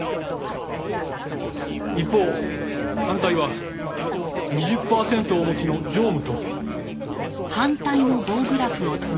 一方反対は２０パーセントをお持ちの常務と。